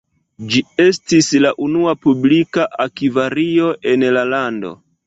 Ĝi estis la unua publika akvario en la lando.